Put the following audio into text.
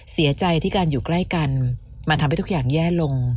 เสียใจที่การอยู่ใกล้กันมันทำให้ทุกอย่างแย่ลง